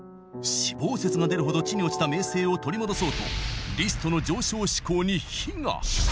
死亡説が出るほど地に落ちた名声を取り戻そうとリストの上昇志向に火が。